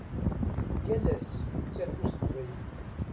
Yal ass nettargu s teqbaylit.